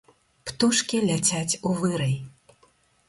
Птушкі ляцяць у вырай.